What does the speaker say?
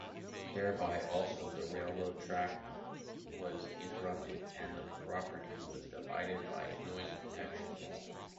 Thereby, also the railroad track was interrupted and the property was divided by a noise protection wall.